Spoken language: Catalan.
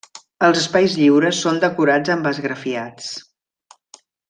Els espais lliures són decorats amb esgrafiats.